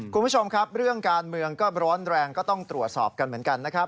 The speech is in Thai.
คุณผู้ชมครับเรื่องการเมืองก็ร้อนแรงก็ต้องตรวจสอบกันเหมือนกันนะครับ